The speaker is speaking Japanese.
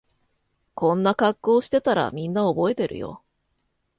こんな格好してたらみんな覚えてるよ